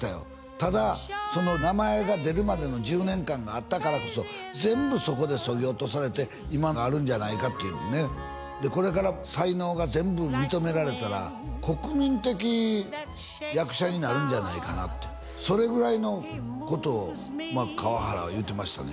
ただその名前が出るまでの１０年間があったからこそ全部そこでそぎ落とされて今があるんじゃないかというねでこれから才能が全部認められたら国民的役者になるんじゃないかなってそれぐらいのことを河原は言うてましたね